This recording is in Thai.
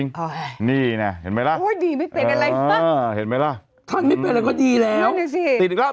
นี่น่ะเห็นไหมล่ะเห็นไหมล่ะท่านไม่เป็นอะไรก็ดีแล้วติดอีกแล้ว